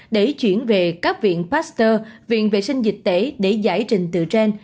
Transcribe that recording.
để chuyển về các viện pasteur viện vệ sinh dịch tễ để giải trình từ trên